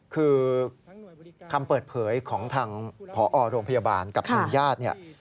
คือคำเปิดเผยของทางผอโรงพยาบาลกับทางญาติเนี่ย